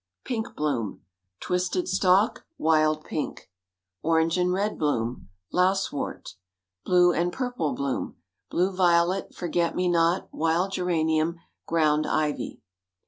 PINK BLOOM. Twisted stalk. Wild pink. ORANGE AND RED BLOOM. Lousewort. BLUE AND PURPLE BLOOM. Blue violet. Forget me not. Wild geranium. Ground ivy.